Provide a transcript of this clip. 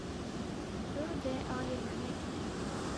Tu dê alî min nekî.